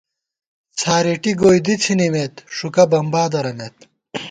څھارېٹی گوئی دی څِھنِمېت، ݭُکہ بمبا درَمېت